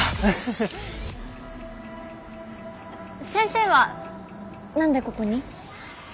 先生は何でここに？